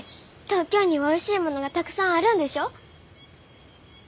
東京にはおいしいものがたくさんあるんでしょ？